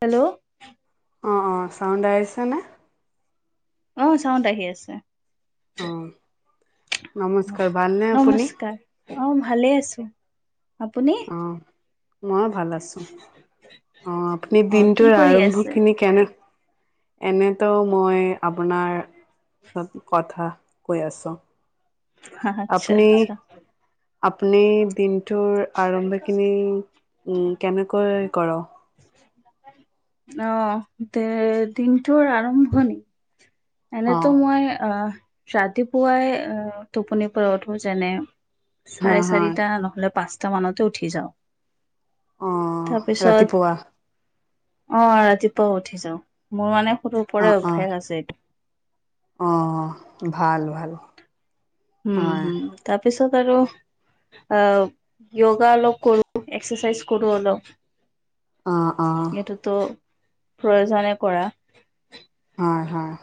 Hello অ'-, অ' ্ চাউণ্ড আহিছেনে। অ', - চাউণ্ড আহি আছে। অ', অ -নমস্কাৰ ভালনে আপুনি। নমস্কাৰ অ', -ভালে আছো আপুনি। অ', মই ভাল আছো আহ আপুনি অ কি দিনটোৰ কৰি আৰম্ভ আছে খিনি কেনে। এনেতো মই আপোনাৰব কথা কৈ আছো। আচ্ছা আপুনি- আচ্ছা আপুনি দিনটোৰ আৰম্ভখিনি কেনেকৈ কৰ। অ', দে-দিনটোৰ আৰম্ভণি এনেতো অ', মই আহ ৰাতিপুৱাই টোপন পৰা উঠো যেনে হা, চাৰে হা, চাৰিটা নহলে পাঁচটা মানতে উঠি যাও। অ', ৰাতিপুৱা তাৰপিছত আহ ৰাতিপুৱা উঠি যাও। মোৰ মানে সৰুৰে পৰা অ', অ', অভ্যাস আছে এইটো। অ', -ভাল- ভাল উম হয়, -উম তাৰপিছত আৰু আ য়োগা অলপ কৰো এক্সাৰচাইজ কৰো অলপ। অ', অ', এইটোতো প্ৰয়োজনে কৰা। হয়- হয়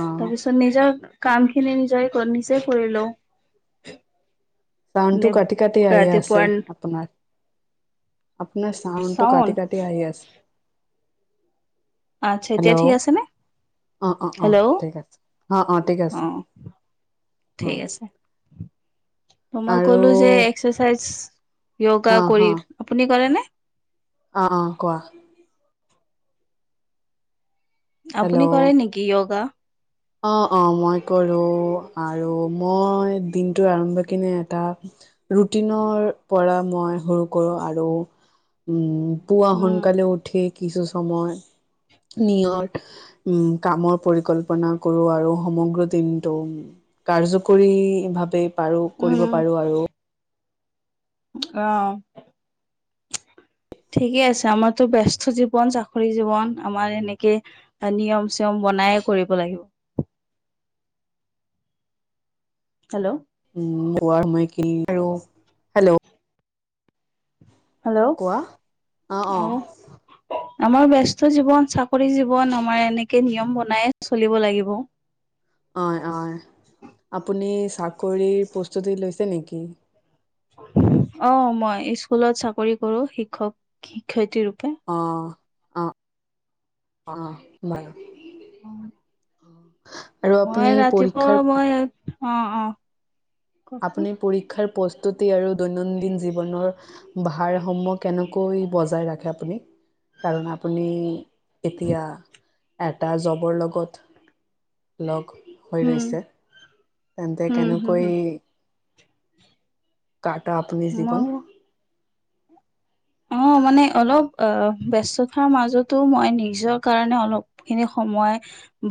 অ', নিজৰ কামখিনি নিজেৰ নিজে কৰি লও। চাউডটো মানে কাটি -কাটি আহি আছে ৰাতিপুৱাৰ আপোনাৰ। আপোনাৰ চাউণ্ডটো কাটি চাউণ্ড -কাটি আহি আছে! আচ্ছা, এতিয়া ঠিক আছে নে? অঁ, - অঁ-, হেল্ল' অঁ--! ঠিক আছে! অঁ-, অঁ ঠিক অ আছে! অ ঠিক আছে! ত' মই আৰু ক'লোঁ যে এক্সাৰচাইজ অ য়োগা হ কৰি, আপুনি কৰে নে? অ', - অ' কোৱা! আপুনি কৰে নেকি য়োগা? অঁ, - অঁ -মই কৰোঁ আৰু মই দিনটো আৰম্ভ কিনে এটা ৰুটিনৰ পৰা মই সৰু কৰোঁ আৰু উম পুৱা উম সোনকালে উঠি কিছু সময় নিয়ৰ উম কামৰ পৰিক ল্পনা, কৰোঁ আৰু সমগ্ৰ দিনটো কাৰ্যকৰী ভাৱে পাৰো কৰিব উম পাৰোঁ আৰু! অ' [inaudible] ঠিকে আছে, আমাৰতো ব্যস্ত জীৱন, চাকৰি জীৱন, আমাৰ এনেকে। নিয়ম-চিয়ম বনায়ে কৰিব লাগিব। হেল্ল'? উম, শুৱাৰ সময়খিনিত আৰু হেল্ল' হেল্ল'? কোৱা অ'! [inaudible] আমাৰ ব্যস্ত জীৱন, চাকৰি জীৱন। আমাৰ এনেকে, নিয়ম বনাইয়ে চলিব লাগিব। হয়, হয়! আপুনি চাকৰিৰ প্ৰস্তুতি লৈছে নেকি? অ'! মই, স্কুলত চাকৰি কৰোঁ, শিক্ষক-শিক্ষয়িত্ৰী ৰূপে। অ'! অ'! অ'! বাৰু। আৰু আপুনি মই পৰীক্ষাৰ ৰাতিপুৱা মই, অ'! অ'! কওকচোন আপুনি পৰীক্ষাৰ প্ৰস্তুতি আৰু দৈনন্দিন জীৱনৰ ভাৰসাম্য কেনেকৈ বজাই ৰাখে আপুনি? কাৰণ, আপুনি এতিয়া, এটা জবৰ লগত লগ হৈ উম ৰৈছে। তেন্তে, হম হম কেনেকৈ হম [unintelligible] আপুনি মই জীৱন? অ'! মানে, অলপ আঁ ব্যস্ততাৰ মাজতো মই, নিজৰ কাৰণে অলপ খিনি সময়,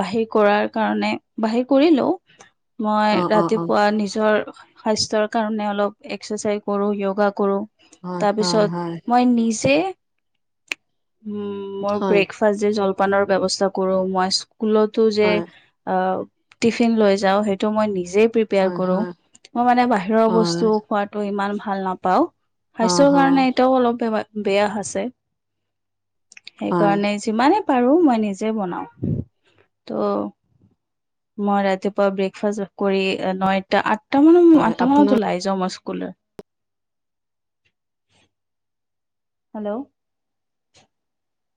বাহিৰ কৰাৰ কাৰণে, বাহিৰ কৰিলোঁ। অ মই অ অ ৰাতিপুৱা নিজৰ স্বাস্থ্যৰ কাৰণ, অলপ এক্সাৰচাইজ কৰোঁ, য়োগা কৰোঁ। হয় হয় তাৰপিছত, হয় মই নিজে, উম! মই হয়, ব্ৰেক ফাৰ্ষ্ট দে, জলপানৰ ব্যৱস্থা কৰোঁ। মই স্কুলতো যে, হয়, অ'! টিফিন লৈ যাওঁ। সেইটো মই নিজেই প্ৰিপেয়াৰ হয়, কৰোঁ। হয়, মই মানে, বাহিৰৰ বস্তু হয়, খোৱাত ত' ইমান ভাল নাপাওঁ! অ', স্বাস্থ্যৰ কাৰণে, হ', এতিয়াও অলপ [unintelligible] বেয়া আছে। হয়, সেইকাৰণে, যিমানে পাৰোঁ! মই নিজে বনাওঁ! ত' মই ৰাতিপুৱা ব্ৰেকফাষ্ট কৰি, নয়টা, আঠটা মানত- হয়, আঠটা আপোনাৰ মানত ওলাই যাওঁ, মই স্কুলৰ। হেল্ল'?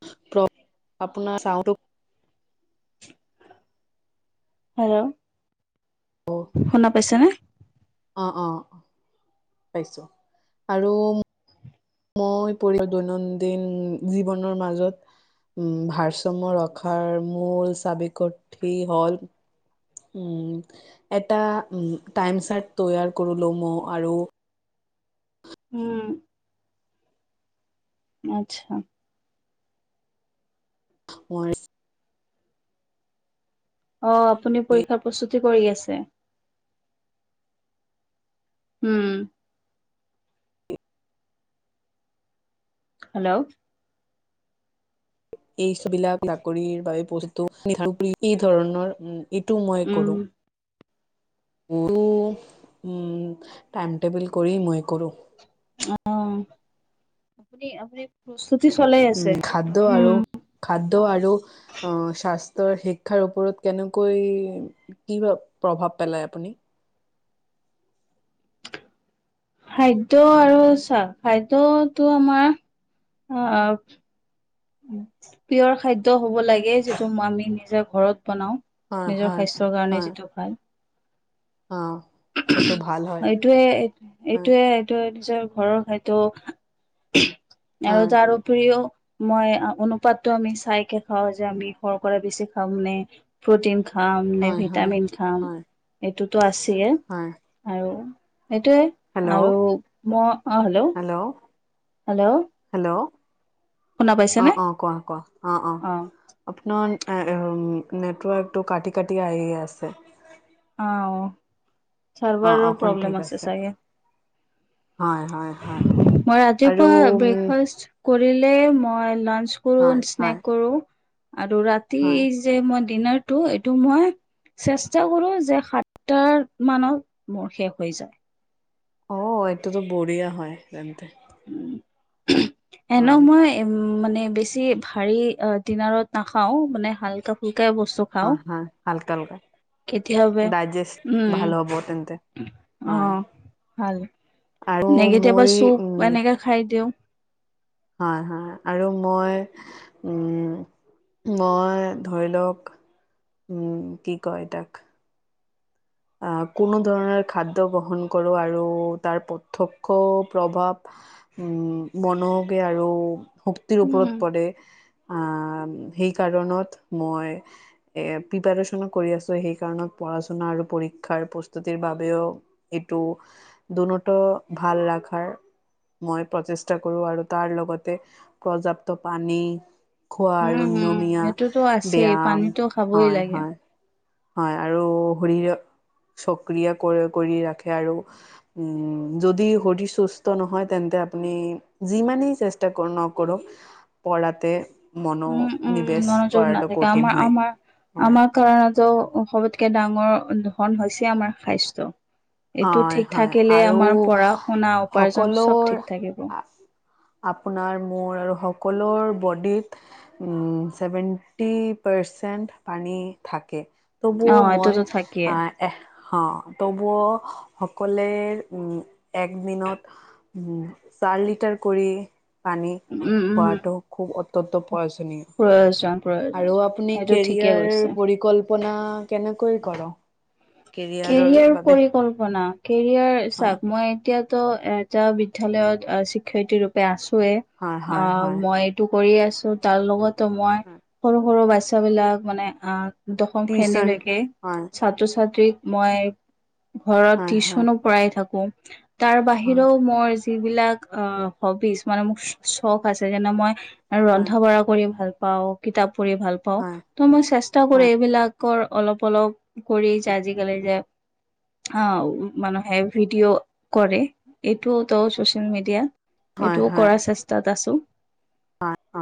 [unintelligible] হেল্ল'? শুনা পাইছেনে? অ' অ'! পাইছোঁ। আৰু মই [unintelligible] দৈনন্দিন জীৱনৰ মাজত উম, ভাৰসাম্য ৰখাৰ মূল চাবিকাঠি হ'ল, উম, এটা উম, টাইম চাৰ্ট তৈয়াৰ কৰিলোঁ মইয়ো। আৰু উম। আচ্ছা। মই অ'! আপুনি পৰীক্ষাৰ প্ৰস্তুতি কৰি আছে? উম। হেল্ল'? এইবিলাক চাকৰিৰ বাবে পষ্টো, এই ধৰণৰ উম, এইটো মই উম কৰোঁ। [unintelligible] টাইম-টেবুল কৰি মই কৰোঁ। অ'! আপুনি-আপুনি প্ৰস্তুতি চলাই উম আছে? খাদ্য আৰু উম! খাদ্য আৰু অ' স্বাস্থ্যৰ শিক্ষাৰ ওপৰত কেনেকৈ কি প্ৰ প্ৰভাৱ পেলাই আপুনি? খাদ্য আৰু চা খাদ্যটো আমাৰ আ পিয়ৰ খাদ্য হ'ব লাগে যিটো আমি নিজে ঘৰত বনাও। হয় নিজৰ হয় স্বাস্থ্যৰ কাৰণে হয় যিটো ভাল। অ'। সেইটো ভাল হয় এইটোয়ে এই হয় এইটোয়ে এইটো নিজৰ ঘৰৰ সেইটো, [unintelligible] আৰু হয় তাৰোপৰিও মই অনুপাতটো আমি চাইকে খাওঁ যে আমি সৰু পৰা বেছি খাাম নে? প্ৰ'টিন খাম নে হয় হয় ভিটামিন খাম, হয় এইটোতো আছেয়ে। হয় আৰু এইটোৱে আৰু, হেল্ল' ম অ' হেল্লো হেল্ল' হেল্ল'। হেল্ল' শুনা পাইছেনে অ' অ' কোৱা কোৱা অ' অ'। আপোনাৰ এ এ নেটৱৰ্কটো কাটি কাটি আহি আছে। আও অ চাৰভাৰৰ অকণ প্ৰব্লেম ঠিক আছে চাগে। হয় হয় হয় মই আৰু ৰাতিপুৱা উম ব্ৰেকফাষ্ট কৰিলে মই লাঞ্চ কৰোঁ, হয়, হয়, স্নেক কৰোঁ আৰু ৰাতি হয়। যে মই ডিনাৰটো এইটো মই চেষ্টা কৰোঁ যে সাঁতটা মানত মোৰ শেষ হৈ যায়। অ' এইটোতো বঢ়িয়া হয় তেন্তে। এনেও হয়, মই উম, মানে বেছি ভাৰী অ' ডিনাৰত নাখাওঁ মানে হাল্কা ফুল্কায়ে বস্তু খাওঁ অ' হা হালকা হালকা, কেতিয়াবা ডাইজেষ্ট উম ভাল হ'ব তেন্তে। হয়, অ' ভাল, আৰু এনেই কেতিয়াবা মই চুপ উম, এনেকে খাই দিওঁ। হয় হয় আৰু মই উম, মই ধৰি লওঁক উম, কি কয় তাক? আ, কোনো ধৰণৰ খাদ্য গ্ৰহণ কৰোঁ আৰু তাৰ প্ৰত্যক্ষ প্ৰভাৱ উম, মনকে আৰু শক্তিৰ উম ওপৰত পৰে আ সেই কাৰণত মই এ প্ৰিপাৰেচনো কৰি আছোঁ সেই কাৰণত পঢ়া শুনা আৰু পৰি ক্ষাৰ প্ৰস্তুতিৰ বাবেও এইটো দুনটো ভাল ৰাখাৰ মই প্ৰচেষ্টা কৰোঁ আৰু তাৰ লগতে পৰ্যাপ্ত পানী খোৱা উম আৰু হম। নিয়মীয়া সেইটোতো আছেই ব্যাম, পানীতো খাবই হয় লাগে। হয় হয়, আৰু শৰীৰ চক্ৰীয় কৰি কৰি ৰাখে আৰু উম, যদি শৰীৰ সুস্থ নহয় তেন্তে আপুনি যিমানেই চেষ্টা কৰ নকৰক পঢ়াতে মনো উম উম, মনোযোগ নাথাকে আমাৰ আমাৰ হয় আমাৰ কাৰণতো সবতকে ডাঙৰ ধন হৈছে আমাৰ স্বাস্থ্য। এইটো হয় ঠিক হয় থাকিলে আৰু আমাৰ পঢ়া শুনা উপাৰ্জন চব ঠিক থাকিব। সকলোৰ আপোনাৰ মোৰ আৰু সকলোৰ বডিত উম, ছেভেণ্টি পাৰ্চেণ্ট পানী থাকে। তবু অ মই এইটোতো থাকিয়ে। আ এহ অ' তবু সকলে উম, একদিনত উম, চাৰ লিটাৰ কৰি- পানী উম উম। খোৱাটো খুব অত্যন্ত প্ৰয়োজনীয়। প্ৰয়োজন প্ৰয়োজন আৰু আপুনি সেইটো ঠিকে কৈছে। কেৰিয়াৰ পৰিকল্পনা কেনেকৈ কৰে? কেৰিয়াৰ পৰিকল্পনা। কেৰিয়াৰ হয় চাওক, মই এতিয়াতো এটা বিদ্যয়ালয়ত শিক্ষয়িত্ৰী ৰূপে আছোৱেই। হয় হয় অঁ হয় মই এইটো কৰি আছোঁ, তাৰ লগতো মই সৰু সৰু বাছ চাত্ৰ বিলাক মানে আহ' দশম টিউচন শ্ৰেণীলৈকে হয় ছাত্ৰ ছাত্ৰীক মই ঘৰত হয় হয় টিউচনো পঢ়াই থাকোঁ, তাৰ হয় বাহিৰেও মই যিবিলাক অ' হবিচ মানে মোক চখ আছে যেনে মই আৰু হয় ৰন্ধা বঢ়া কৰি ভাল পাওঁ, কিতাপ পঢ়ি ভাল পাওঁ হয় ত' মই চেষ্টা কৰি হয় এইবিলাকৰ অলপ অলপ কৰি যে আজিকালি যে আহ' মানুহে ভিডিঅ' কৰে এইটোও ত' চচিয়েল মিডিয়া হয় এইটোও হয় কৰাৰ চেষ্টাত আছোঁ। অ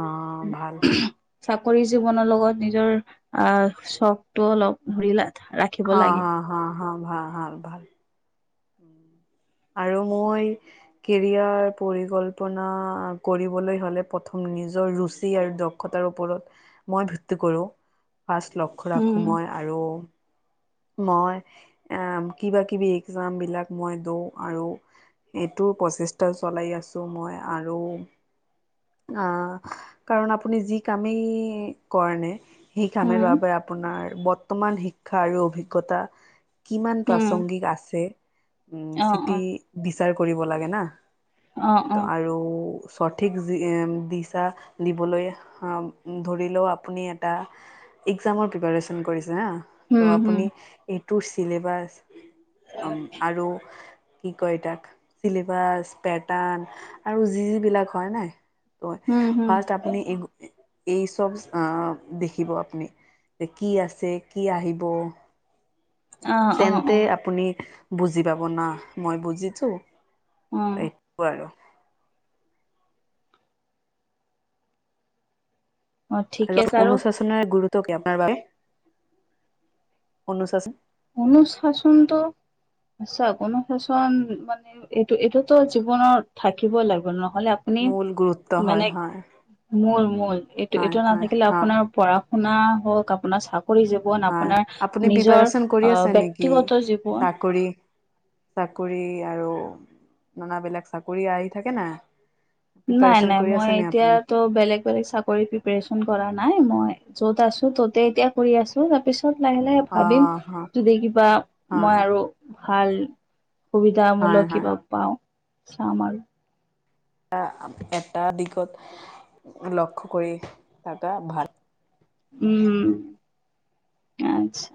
ভাল চাকৰি জীৱনৰ লগত নিজৰ আহ' চখটো অলপ ধৰিলা হ হা হা হা ভাল ভাল ভাল। আৰু মই কেৰিয়াৰ পৰিকল্পনা কৰিবলৈ হ'লে প্ৰথম নিজৰ ৰুচি আৰু দ দক্ষতাৰ ওপৰত মই ভিত্তি কৰোঁ, ফাৰ্ষ্ট লক্ষ্য ৰাখোঁ উম মই আৰু মই এ কিবা কিবি এক্সামবিলাক মই দিওঁ আৰু সেইটো প্ৰচেষ্টা চলাই আছোঁ। মই আৰু- অ' কাৰণ আপুনি যি কামেই কৰে নে সেই কামেৰ উম বাবে আপোনাৰ বৰ্তমান শিক্ষা আৰু অভিজ্ঞতা কিমান উম প্ৰাসংগিক আছে উ অ চিটি অ বিচাৰ কৰিব লাগে না। অ অ ত' আৰু - সঠিক দিচা দিবলৈ অ' ধৰিলেও আপুনি এটা এক্সাম প্ৰিপৰেচন কৰিছে হা ত' উম হম আপুনি এইটো চিলেবাছ অঁ আৰু কি কয় তাক, চিলিভাছ, পেটাৰ্ণ আৰু যি যিবিলাক হয় নাই হয় উম হম ফাৰ্ষ্ট আপুনি এই চ'ব আহ' দেখিব আপুনি যে কি আছে কি আহিব। অ অ তেন্তে অ আপুনি বুজি পাব না মই বুজিছোঁ অ এই কোৱা আৰু। অ ঠিকে আৰু আছে অনুশাসনৰ গুৰুত্ব কি আপোনাৰ বাবে অনুশাসন? অনুশাসনটো আচছা, অনুশোচনা মানে এইটো এইটোতো জীৱনৰত থাকিবই লাগিব নহ'লে আপুনি মূল গুৰুত্ব মানে, হয় হয় মূল মূল এইটো হয় এইটো হয় নাথাকিলে হয় আপোনাৰ পঢ়া শুনা হওক আপোনাৰ চাকৰি জীৱন আপোনাৰ আপুনি নিজৰ প্ৰিপাৰেচন কৰি আহ আছে হয় নেকি? ব্যক্তিগত জীৱন চাকৰি চাকৰি আৰু নানাবিলাক চাকৰি আহি থাকে না। নাই প্ৰিপাৰেচন নাই কৰি মই আছে নে আপুনি? এতিয়াতো বেলেগ চাকৰি প্ৰিপেৰেচন কৰা নাই মই য'ত আছোঁ তাতে এতিয়া কৰি আছোঁ তাৰপিছত লাহে লাহে ভাবিম অ', হয়, যদি কিবা মই হয়, আৰু ভাল হয়, সুবিধামূলক হয়। কিবা পাওঁ চাম আৰু। আ এটা এটা দিশত লক্ষ্য কৰি থাকা ভাল। উম। আচ্ছা